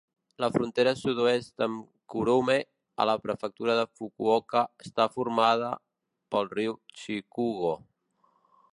La frontera sud-est amb Kurume, a la prefectura de Fukuoka, està formada pel riu Chikugo.